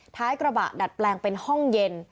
ท้ายกระบะดัดแปลงเป็นห้องเย็น